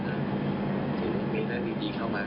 ถึงมีคนดีเข้ามา